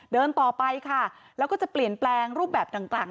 เดินต่อไปค่ะแล้วก็จะเปลี่ยนแปลงรูปแบบต่าง